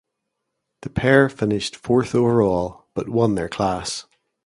The pair finished fourth overall, but won their class.